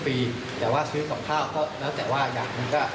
เพื่อประหลาดฐาน